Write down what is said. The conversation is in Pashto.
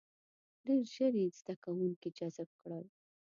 • ډېر ژر یې زده کوونکي جذب کړل.